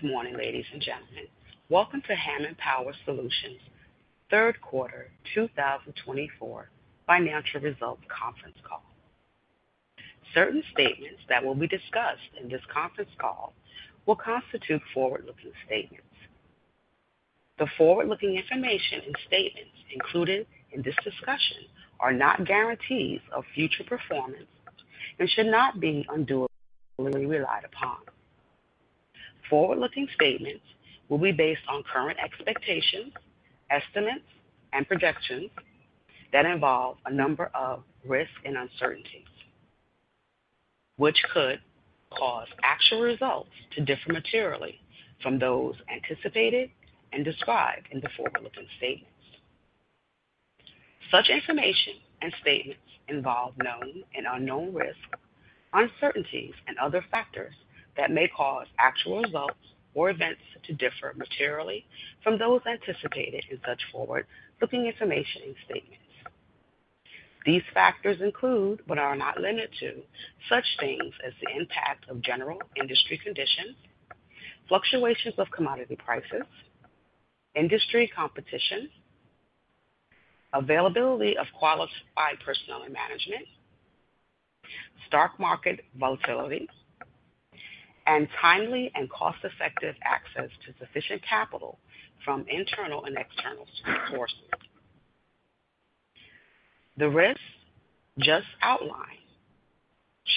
Good morning, ladies and gentlemen. Welcome to Hammond Power Solutions' third quarter 2024 financial results conference call. Certain statements that will be discussed in this conference call will constitute forward-looking statements. The forward-looking information and statements included in this discussion are not guarantees of future performance and should not be unduly or relied upon. Forward-looking statements will be based on current expectations, estimates, and projections that involve a number of risks and uncertainties, which could cause actual results to differ materially from those anticipated and described in the forward-looking statements. Such information and statements involve known and unknown risks, uncertainties, and other factors that may cause actual results or events to differ materially from those anticipated in such forward-looking information and statements. These factors include, but are not limited to, such things as the impact of general industry conditions, fluctuations of commodity prices, industry competition, availability of qualified personnel and management, stock market volatility, and timely and cost-effective access to sufficient capital from internal and external sources. The risks just outlined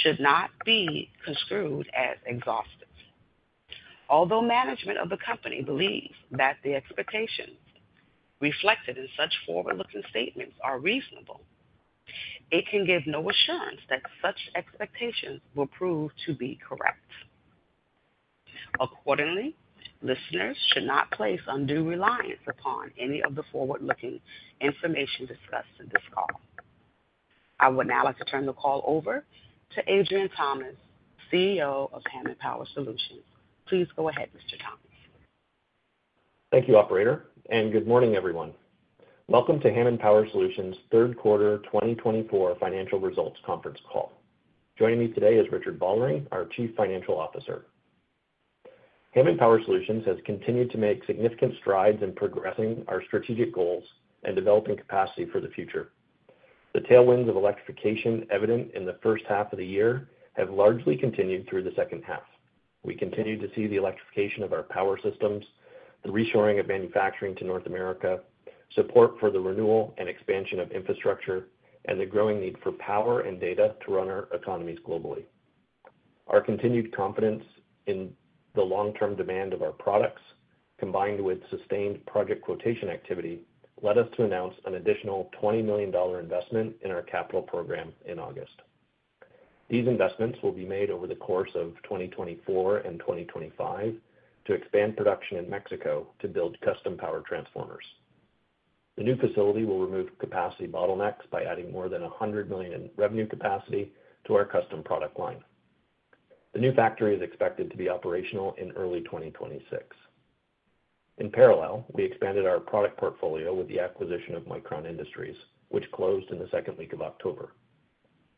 should not be construed as exhaustive. Although management of the company believes that the expectations reflected in such forward-looking statements are reasonable, it can give no assurance that such expectations will prove to be correct. Accordingly, listeners should not place undue reliance upon any of the forward-looking information discussed in this call. I would now like to turn the call over to Adrian Thomas, CEO of Hammond Power Solutions. Please go ahead, Mr. Thomas. Thank you, Operator, and good morning, everyone. Welcome to Hammond Power Solutions' third quarter 2024 financial results conference call. Joining me today is Richard Vollering, our Chief Financial Officer. Hammond Power Solutions has continued to make significant strides in progressing our strategic goals and developing capacity for the future. The tailwinds of electrification evident in the first half of the year have largely continued through the second half. We continue to see the electrification of our power systems, the reshoring of manufacturing to North America, support for the renewal and expansion of infrastructure, and the growing need for power and data to run our economies globally. Our continued confidence in the long-term demand of our products, combined with sustained project quotation activity, led us to announce an additional 20 million dollar investment in our capital program in August. These investments will be made over the course of 2024 and 2025 to expand production in Mexico to build custom power transformers. The new facility will remove capacity bottlenecks by adding more than 100 million in revenue capacity to our custom product line. The new factory is expected to be operational in early 2026. In parallel, we expanded our product portfolio with the acquisition of Micron Industries, which closed in the second week of October.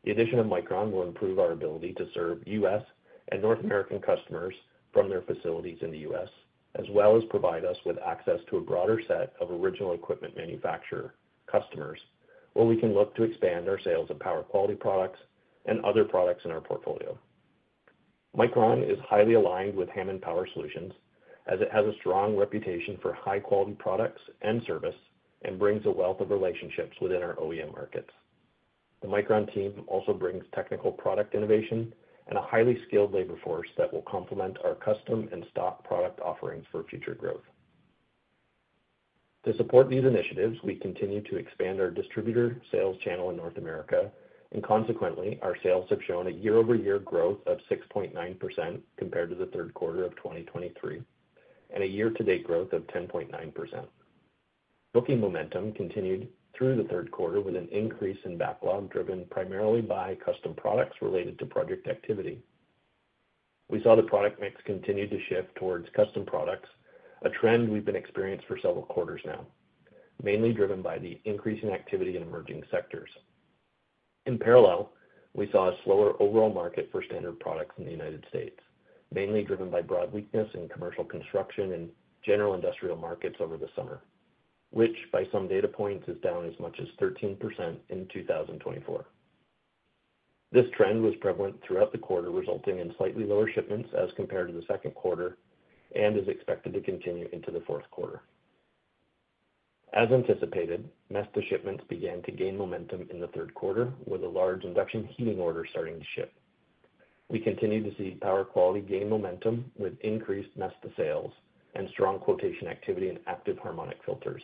The addition of Micron will improve our ability to serve U.S. and North American customers from their facilities in the U.S., as well as provide us with access to a broader set of original equipment manufacturer customers, where we can look to expand our sales of power quality products and other products in our portfolio. Micron is highly aligned with Hammond Power Solutions, as it has a strong reputation for high-quality products and service and brings a wealth of relationships within our OEM markets. The Micron team also brings technical product innovation and a highly skilled labor force that will complement our custom and stock product offerings for future growth. To support these initiatives, we continue to expand our distributor sales channel in North America, and consequently, our sales have shown a year-over-year growth of 6.9% compared to the third quarter of 2023 and a year-to-date growth of 10.9%. Booking momentum continued through the third quarter with an increase in backlog driven primarily by custom products related to project activity. We saw the product mix continue to shift towards custom products, a trend we've been experiencing for several quarters now, mainly driven by the increasing activity in emerging sectors. In parallel, we saw a slower overall market for standard products in the United States, mainly driven by broad weakness in commercial construction and general industrial markets over the summer, which, by some data points, is down as much as 13% in 2024. This trend was prevalent throughout the quarter, resulting in slightly lower shipments as compared to the second quarter and is expected to continue into the fourth quarter. As anticipated, Mesta shipments began to gain momentum in the third quarter, with a large induction heating order starting to ship. We continue to see power quality gain momentum with increased Mesta sales and strong quotation activity in active harmonic filters.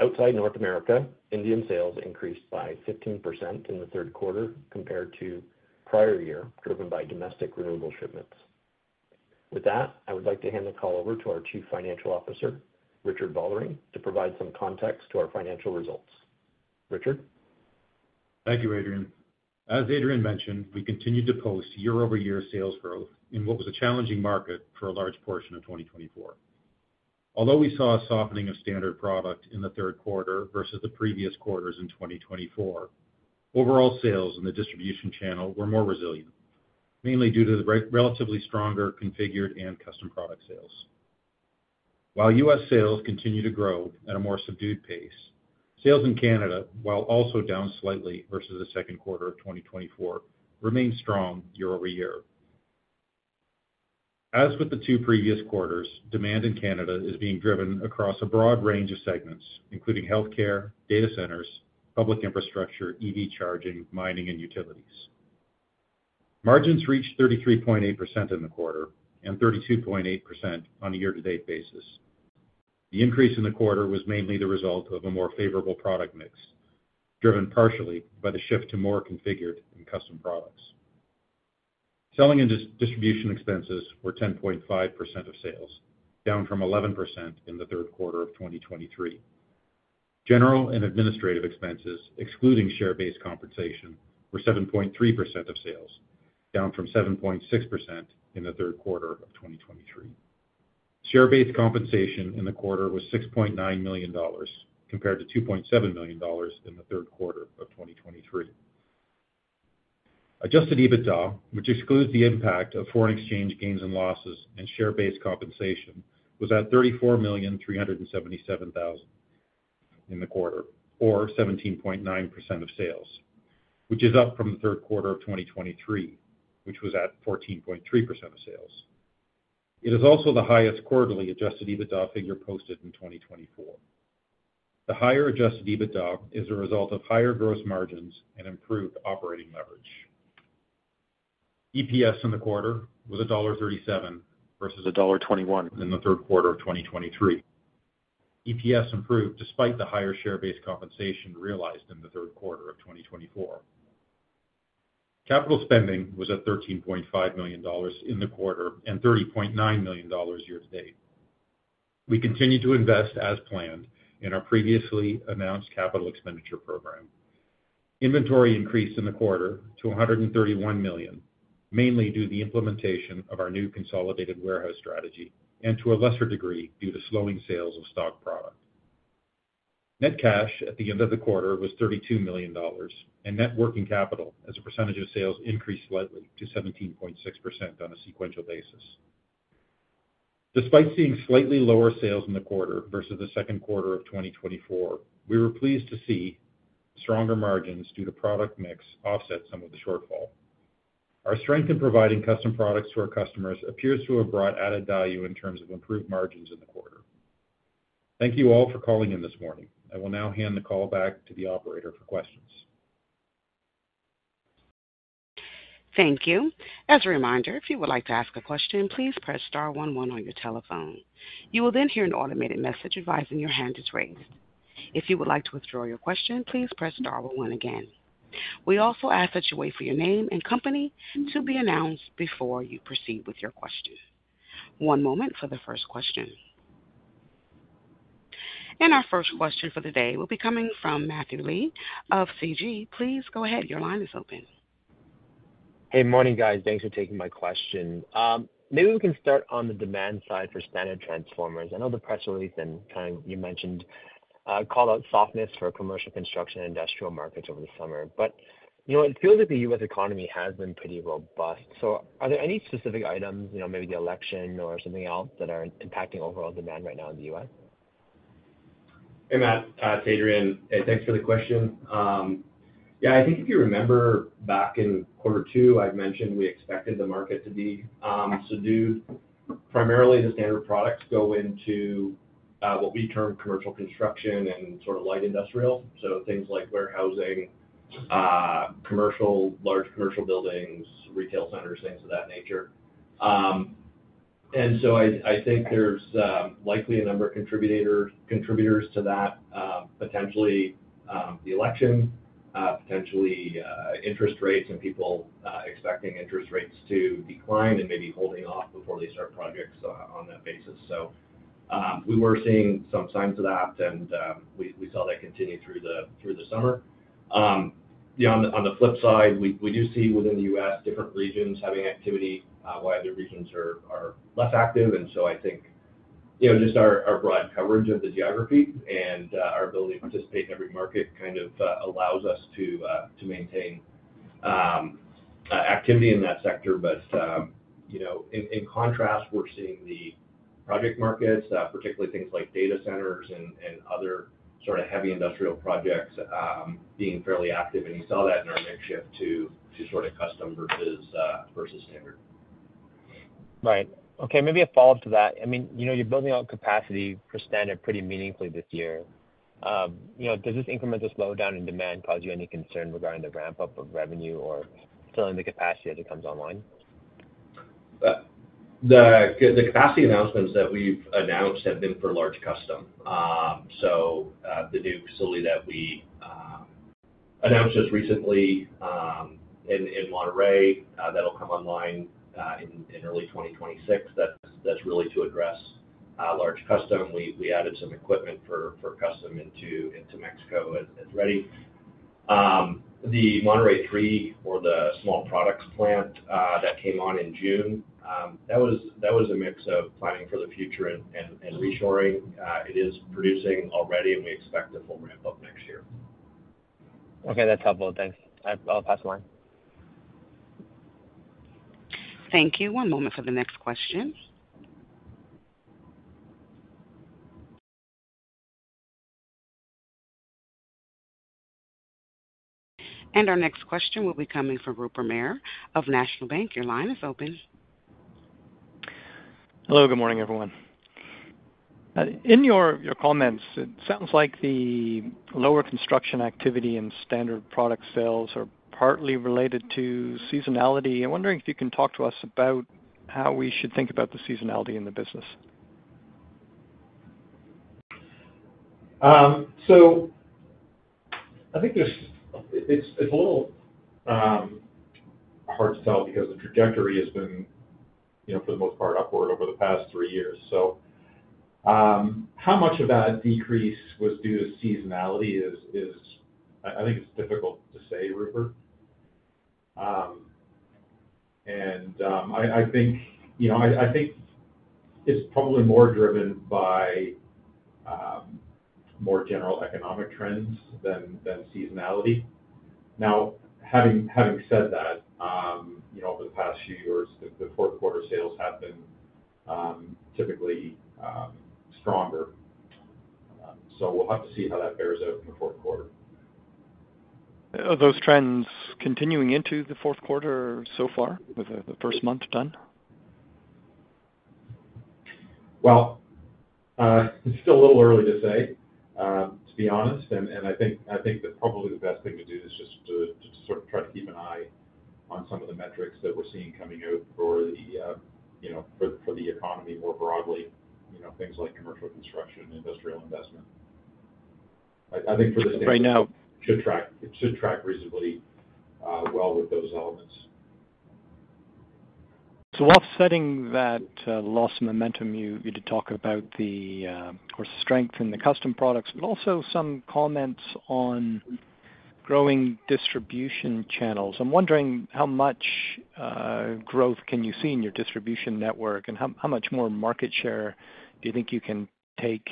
Outside North America, Indian sales increased by 15% in the third quarter compared to prior year, driven by domestic renewable shipments. With that, I would like to hand the call over to our Chief Financial Officer, Richard Vollering, to provide some context to our financial results. Richard? Thank you, Adrian. As Adrian mentioned, we continued to post year-over-year sales growth in what was a challenging market for a large portion of 2024. Although we saw a softening of standard product in the third quarter versus the previous quarters in 2024, overall sales in the distribution channel were more resilient, mainly due to the relatively stronger configured and custom product sales. While U.S. sales continue to grow at a more subdued pace, sales in Canada, while also down slightly versus the second quarter of 2024, remain strong year-over-year. As with the two previous quarters, demand in Canada is being driven across a broad range of segments, including healthcare, data centers, public infrastructure, EV charging, mining, and utilities. Margins reached 33.8% in the quarter and 32.8% on a year-to-date basis. The increase in the quarter was mainly the result of a more favorable product mix, driven partially by the shift to more configured and custom products. Selling and distribution expenses were 10.5% of sales, down from 11% in the third quarter of 2023. General and administrative expenses, excluding share-based compensation, were 7.3% of sales, down from 7.6% in the third quarter of 2023. Share-based compensation in the quarter was 6.9 million dollars compared to 2.7 million dollars in the third quarter of 2023. Adjusted EBITDA, which excludes the impact of foreign exchange gains and losses and share-based compensation, was at 34,377,000 in the quarter, or 17.9% of sales, which is up from the third quarter of 2023, which was at 14.3% of sales. It is also the highest quarterly adjusted EBITDA figure posted in 2024. The higher adjusted EBITDA is a result of higher gross margins and improved operating leverage. EPS in the quarter was dollar 1.37 versus dollar 1.21 in the third quarter of 2023. EPS improved despite the higher share-based compensation realized in the third quarter of 2024. Capital spending was at 13.5 million dollars in the quarter and 30.9 million dollars year-to-date. We continue to invest as planned in our previously announced capital expenditure program. Inventory increased in the quarter to 131 million, mainly due to the implementation of our new consolidated warehouse strategy and to a lesser degree due to slowing sales of stock product. Net cash at the end of the quarter was 32 million dollars, and net working capital as a percentage of sales increased slightly to 17.6% on a sequential basis. Despite seeing slightly lower sales in the quarter versus the second quarter of 2024, we were pleased to see stronger margins due to product mix offset some of the shortfall. Our strength in providing custom products to our customers appears to have brought added value in terms of improved margins in the quarter. Thank you all for calling in this morning. I will now hand the call back to the Operator for questions. Thank you. As a reminder, if you would like to ask a question, please press star one one on your telephone. You will then hear an automated message advising your hand is raised. If you would like to withdraw your question, please press star one again. We also ask that you wait for your name and company to be announced before you proceed with your question. One moment for the first question and our first question for the day will be coming from Matthew Lee of CG. Please go ahead. Your line is open. Hey, morning, guys. Thanks for taking my question. Maybe we can start on the demand side for standard transformers. I know the press release and kind of you mentioned called out softness for commercial construction industrial markets over the summer. But it feels like the U.S. economy has been pretty robust. So are there any specific items, maybe the election or something else, that are impacting overall demand right now in the U.S.? Hey, Matt. It's Adrian. Hey, thanks for the question. Yeah, I think if you remember back in quarter two, I'd mentioned we expected the market to be subdued. Primarily, the standard products go into what we term commercial construction and sort of light industrial. So things like warehousing, commercial, large commercial buildings, retail centers, things of that nature. And so I think there's likely a number of contributors to that, potentially the election, potentially interest rates and people expecting interest rates to decline and maybe holding off before they start projects on that basis. So we were seeing some signs of that, and we saw that continue through the summer. On the flip side, we do see within the U.S. different regions having activity, while other regions are less active. I think just our broad coverage of the geography and our ability to participate in every market kind of allows us to maintain activity in that sector. In contrast, we're seeing the project markets, particularly things like data centers and other sort of heavy industrial projects, being fairly active. You saw that in our net shift to sort of custom versus standard. Right. Okay. Maybe a follow-up to that. I mean, you're building out capacity for standard pretty meaningfully this year. Does this incremental slowdown in demand cause you any concern regarding the ramp-up of revenue or filling the capacity as it comes online? The capacity announcements that we've announced have been for large custom. So the new facility that we announced just recently in Monterrey, that'll come online in early 2026, that's really to address large custom. We added some equipment for custom into Mexico already. The Monterrey three, or the small products plant that came on in June, that was a mix of planning for the future and reshoring. It is producing already, and we expect a full ramp-up next year. Okay. That's helpful. Thanks. I'll pass the line. Thank you. One moment for the next question. Our next question will be coming from Rupert Merer of National Bank Financial. Your line is open. Hello. Good morning, everyone. In your comments, it sounds like the lower construction activity and standard product sales are partly related to seasonality. I'm wondering if you can talk to us about how we should think about the seasonality in the business? So I think it's a little hard to tell because the trajectory has been, for the most part, upward over the past three years. So how much of that decrease was due to seasonality is, I think, difficult to say, Rupert. And I think it's probably more driven by more general economic trends than seasonality. Now, having said that, over the past few years, the fourth quarter sales have been typically stronger. So we'll have to see how that bears out in the fourth quarter. Are those trends continuing into the fourth quarter so far with the first month done? It's still a little early to say, to be honest. I think that probably the best thing to do is just to sort of try to keep an eye on some of the metrics that we're seeing coming out for the economy more broadly, things like commercial construction, industrial investment. I think for the standard. Right now. It should track reasonably well with those elements. So offsetting that loss of momentum, you did talk about the strength in the custom products, but also some comments on growing distribution channels. I'm wondering how much growth can you see in your distribution network, and how much more market share do you think you can take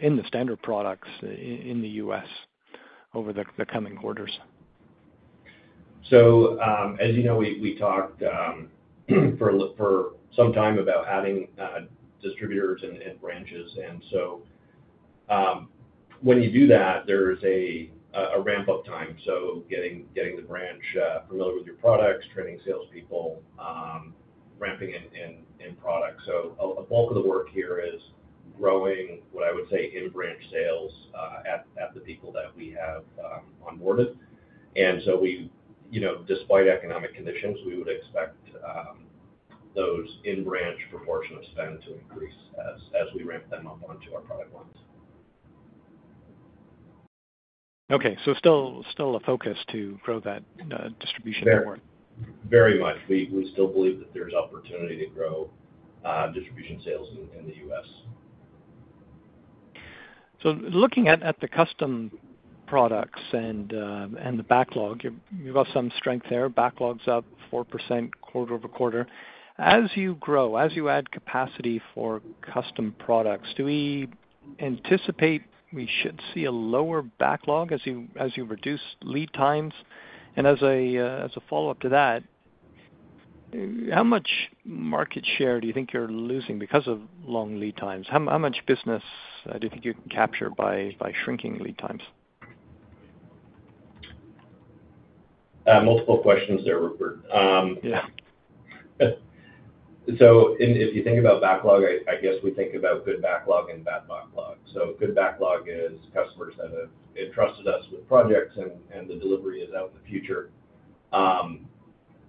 in the standard products in the U.S. over the coming quarters? So as you know, we talked for some time about adding distributors and branches. And so when you do that, there is a ramp-up time. So getting the branch familiar with your products, training salespeople, ramping in products. So a bulk of the work here is growing, what I would say, in-branch sales at the people that we have onboarded. And so despite economic conditions, we would expect those in-branch proportion of spend to increase as we ramp them up onto our product lines. Okay, so still a focus to grow that distribution network. Very much. We still believe that there's opportunity to grow distribution sales in the U.S. So looking at the custom products and the backlog, you've got some strength there. Backlog's up 4% quarter-over-quarter. As you grow, as you add capacity for custom products, do we anticipate we should see a lower backlog as you reduce lead times? And as a follow-up to that, how much market share do you think you're losing because of long lead times? How much business do you think you can capture by shrinking lead times? Multiple questions there, Rupert. Yeah. So if you think about backlog, I guess we think about good backlog and bad backlog. Good backlog is customers that have entrusted us with projects, and the delivery is out in the future.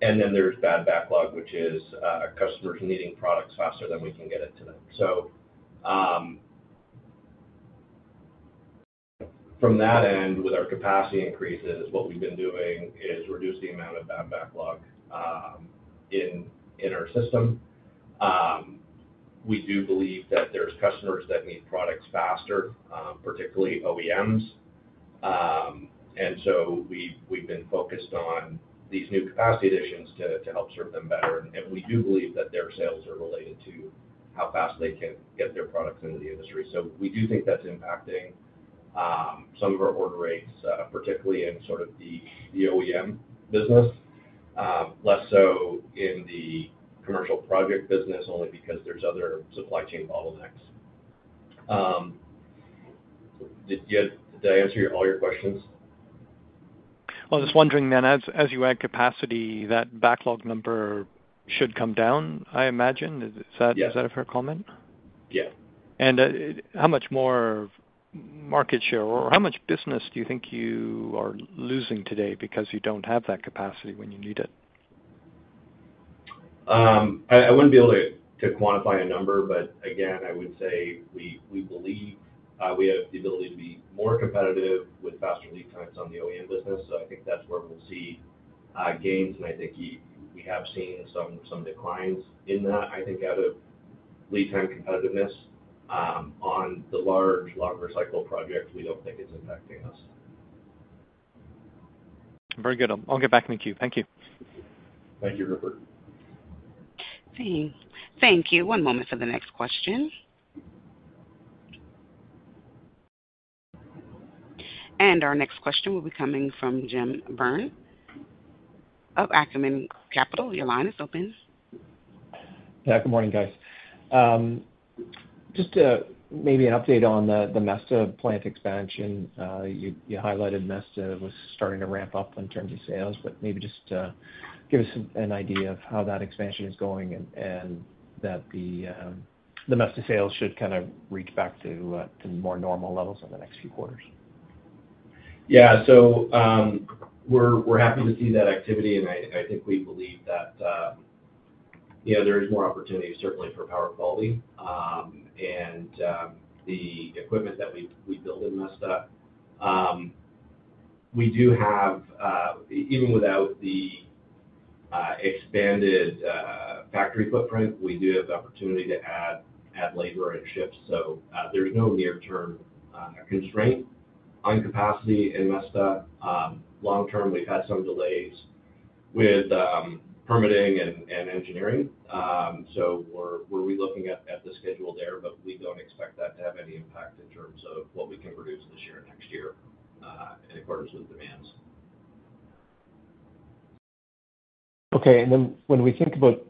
Then there's bad backlog, which is customers needing products faster than we can get it to them. From that end, with our capacity increases, what we've been doing is reduce the amount of bad backlog in our system. We do believe that there are customers that need products faster, particularly OEMs. We've been focused on these new capacity additions to help serve them better. We do believe that their sales are related to how fast they can get their products into the industry. So we do think that's impacting some of our order rates, particularly in sort of the OEM business, less so in the commercial project business, only because there are other supply chain bottlenecks. Did I answer all your questions? I was wondering then, as you add capacity, that backlog number should come down, I imagine. Is that a fair comment? Yeah. How much more market share or how much business do you think you are losing today because you don't have that capacity when you need it? I wouldn't be able to quantify a number, but again, I would say we believe we have the ability to be more competitive with faster lead times on the OEM business. So I think that's where we'll see gains. And I think we have seen some declines in that, I think, out of lead time competitiveness. On the large, longer cycle projects, we don't think it's impacting us. Very good. I'll get back in the queue. Thank you. Thank you, Rupert. Thank you. One moment for the next question. And our next question will be coming from Jim Byrne of Acumen Capital. Your line is open. Yeah. Good morning, guys. Just maybe an update on the Mesta plant expansion. You highlighted Mesta was starting to ramp up in terms of sales, but maybe just give us an idea of how that expansion is going and that the Mesta sales should kind of reach back to more normal levels in the next few quarters? Yeah, so we're happy to see that activity, and I think we believe that there is more opportunity, certainly, for power quality and the equipment that we build in Mesta. We do have, even without the expanded factory footprint, we do have the opportunity to add labor and shift, so there's no near-term constraint on capacity in Mesta. Long-term, we've had some delays with permitting and engineering, so we're relooking at the schedule there, but we don't expect that to have any impact in terms of what we can produce this year and next year in accordance with demands. Okay. And then when we think about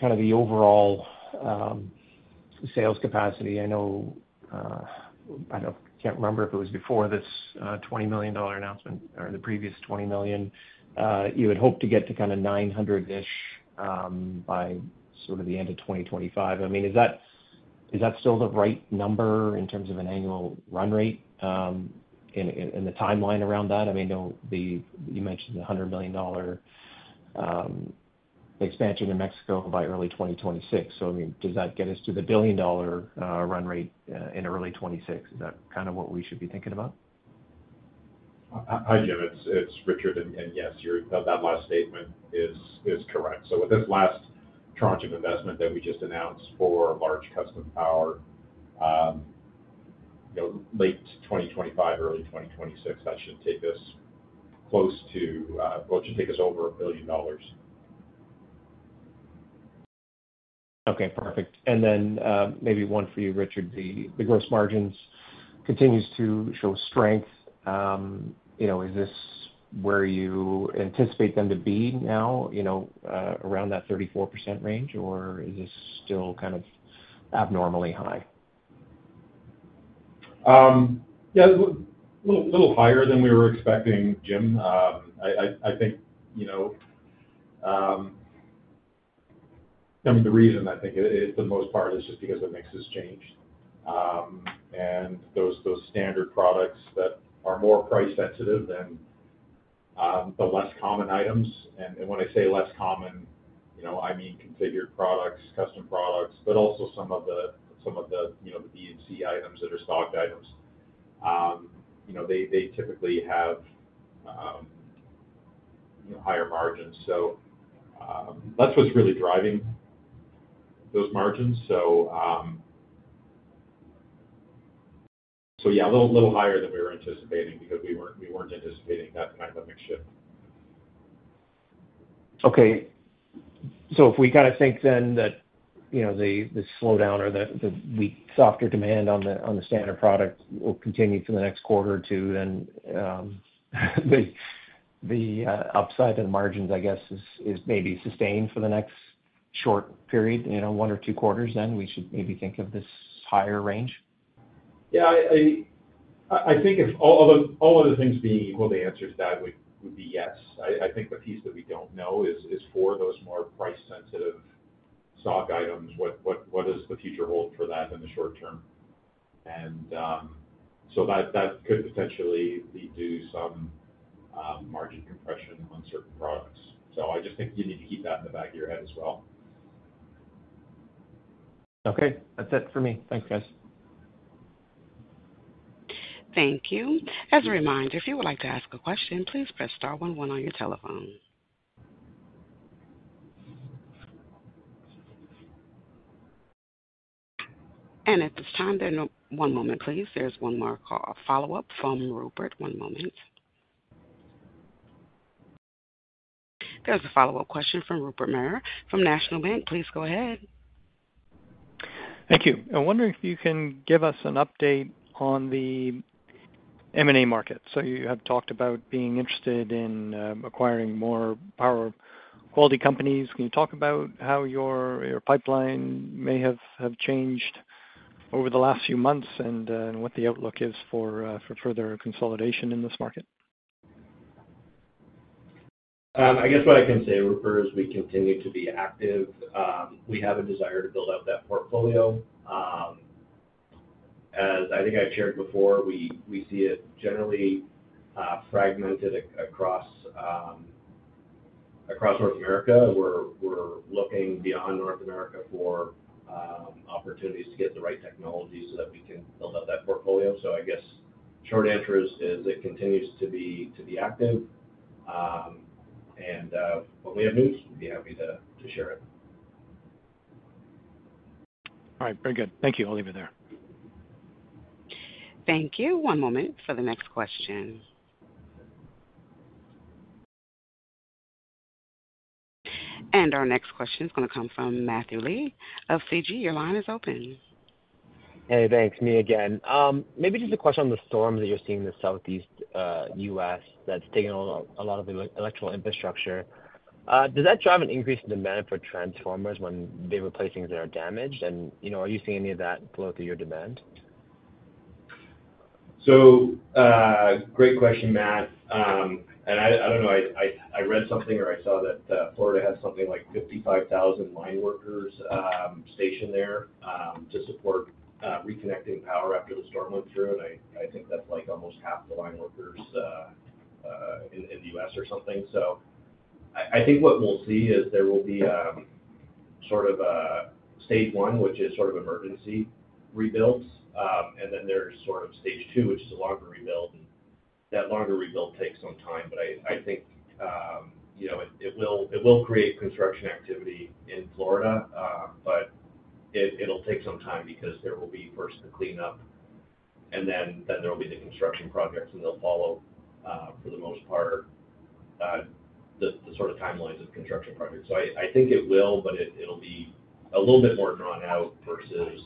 kind of the overall sales capacity, I don't know. I can't remember if it was before this 20 million dollar announcement or the previous 20 million. You had hoped to get to kind of 900-ish by sort of the end of 2025. I mean, is that still the right number in terms of an annual run rate and the timeline around that? I mean, you mentioned the 100 million dollar expansion in Mexico by early 2026. So I mean, does that get us to the billion-dollar run rate in early 2026? Is that kind of what we should be thinking about? Hi, Jim. It's Richard. And yes, that last statement is correct. So with this last tranche of investment that we just announced for large custom power, late 2025, early 2026, that should take us close to, well, it should take us over 1 billion dollars. Okay. Perfect. And then maybe one for you, Richard. The gross margins continue to show strength. Is this where you anticipate them to be now, around that 34% range, or is this still kind of abnormally high? Yeah. A little higher than we were expecting, Jim. I think the reason it's for the most part is just because of mix change, and those standard products that are more price-sensitive than the less common items. When I say less common, I mean configured products, custom products, but also some of the B and C items that are stocked items. They typically have higher margins. So that's what's really driving those margins. So yeah, a little higher than we were anticipating because we weren't anticipating that kind of a mix shift. Okay. So if we kind of think then that the slowdown or the softer demand on the standard product will continue for the next quarter or two, then the upside in margins, I guess, is maybe sustained for the next short period, one or two quarters, then we should maybe think of this higher range? Yeah. I think all other things being equal, the answer to that would be yes. I think the piece that we don't know is for those more price-sensitive stock items, what does the future hold for that in the short term? And so that could potentially lead to some margin compression on certain products. So I just think you need to keep that in the back of your head as well. Okay. That's it for me. Thanks, guys. Thank you. As a reminder, if you would like to ask a question, please press star one one on your telephone. At this time, one moment, please. There's one more follow-up from Rupert. One moment. There's a follow-up question from Rupert Merer from National Bank Financial. Please go ahead. Thank you. I'm wondering if you can give us an update on the M&A market. So you have talked about being interested in acquiring more power quality companies. Can you talk about how your pipeline may have changed over the last few months and what the outlook is for further consolidation in this market? I guess what I can say, Rupert, is we continue to be active. We have a desire to build up that portfolio. As I think I've shared before, we see it generally fragmented across North America. We're looking beyond North America for opportunities to get the right technology so that we can build up that portfolio. So I guess the short answer is it continues to be active. And when we have news, we'd be happy to share it. All right. Very good. Thank you. I'll leave it there. Thank you. One moment for the next question, and our next question is going to come from Matthew Lee of CG. Your line is open. Hey, thanks. Me again. Maybe just a question on the storm that you're seeing in the Southeast U.S. that's taking a lot of the electrical infrastructure. Does that drive an increase in demand for transformers when they replace things that are damaged? And are you seeing any of that flow through your demand? Great question, Matt. And I don't know. I read something or I saw that Florida had something like 55,000 line workers stationed there to support reconnecting power after the storm went through. And I think that's like almost half the line workers in the U.S. or something. So I think what we'll see is there will be sort of a stage one, which is sort of emergency rebuilds. And then there's sort of stage two, which is a longer rebuild. And that longer rebuild takes some time. But I think it will create construction activity in Florida, but it'll take some time because there will be first the cleanup, and then there will be the construction projects, and they'll follow for the most part the sort of timelines of construction projects. So I think it will, but it'll be a little bit more drawn out versus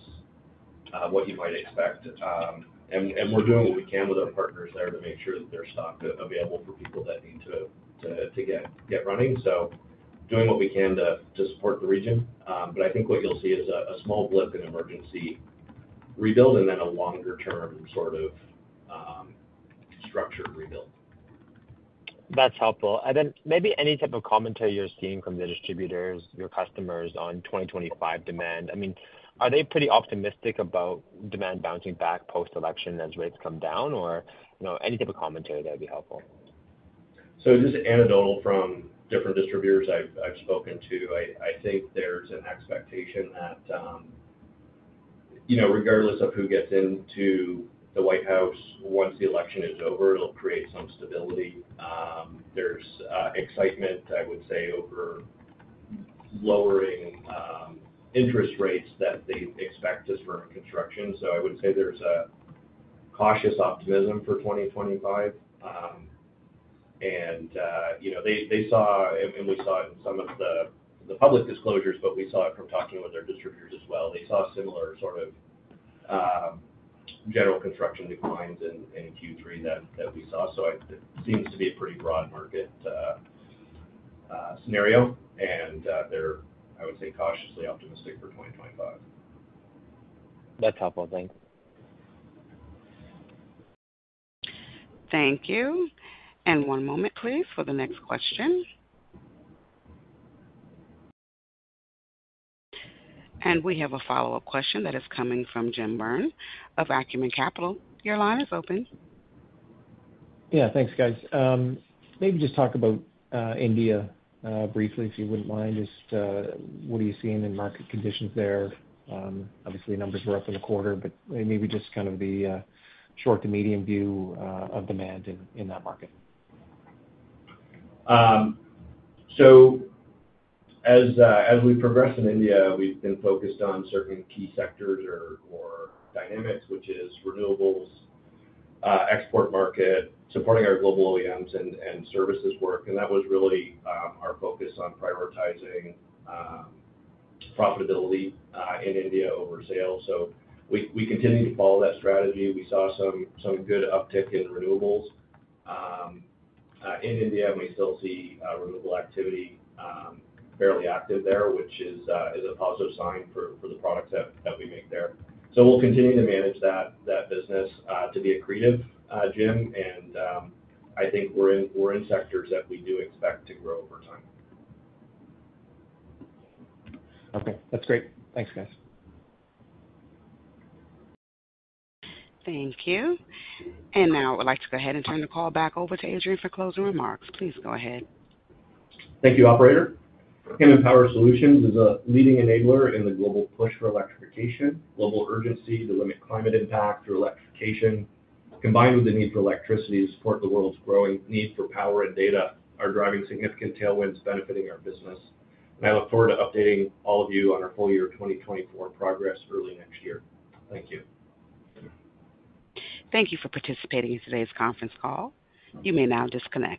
what you might expect. And we're doing what we can with our partners there to make sure that there's stock available for people that need to get running. So doing what we can to support the region. But I think what you'll see is a small blip in emergency rebuild and then a longer-term sort of structured rebuild. That's helpful. And then maybe any type of commentary you're seeing from the distributors, your customers on 2025 demand? I mean, are they pretty optimistic about demand bouncing back post-election as rates come down, or any type of commentary that would be helpful? So just anecdotal from different distributors I've spoken to, I think there's an expectation that regardless of who gets into the White House once the election is over, it'll create some stability. There's excitement, I would say, over lowering interest rates that they expect to spur construction. So I would say there's a cautious optimism for 2025. And they saw, and we saw it in some of the public disclosures, but we saw it from talking with their distributors as well. They saw similar sort of general construction declines in Q3 that we saw. So it seems to be a pretty broad market scenario. And they're, I would say, cautiously optimistic for 2025. That's helpful. Thanks. Thank you. And one moment, please, for the next question. And we have a follow-up question that is coming from Jim Byrne of Acumen Capital. Your line is open. Yeah. Thanks, guys. Maybe just talk about India briefly, if you wouldn't mind. Just what are you seeing in market conditions there? Obviously, numbers were up in the quarter, but maybe just kind of the short to medium view of demand in that market. As we progress in India, we've been focused on certain key sectors or dynamics, which is renewables, export market, supporting our global OEMs and services work. That was really our focus on prioritizing profitability in India over sales. We continue to follow that strategy. We saw some good uptick in renewables in India, and we still see renewable activity fairly active there, which is a positive sign for the products that we make there. We'll continue to manage that business to be accretive Jim. I think we're in sectors that we do expect to grow over time. Okay. That's great. Thanks, guys. Thank you. And now I would like to go ahead and turn the call back over to Adrian for closing remarks. Please go ahead. Thank you, Operator. Hammond Power Solutions is a leading enabler in the global push for electrification. Global urgency to limit climate impact through electrification, combined with the need for electricity to support the world's growing need for power and data, are driving significant tailwinds benefiting our business. And I look forward to updating all of you on our full year 2024 progress early next year. Thank you. Thank you for participating in today's conference call. You may now disconnect.